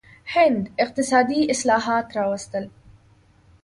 هند اقتصادي اصلاحات راوستل.